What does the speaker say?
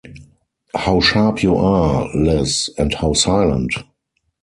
How sharp you are, Liz, and how silent!